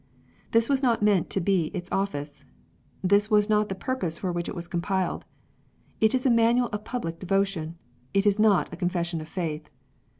This was not meant to be its office ; this was not the purpose for which it was compiled. It is a manual of public devotion : it is not a Confession of faith.